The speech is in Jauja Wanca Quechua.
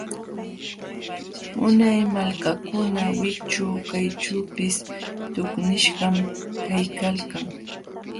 Unay malkakuna wikćhu kayćhuupis tuqnishqam kaykalkan.